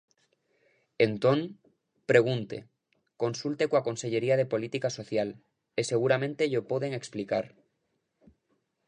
Entón, pregunte, consulte coa Consellería de Política Social, e seguramente llo poden explicar.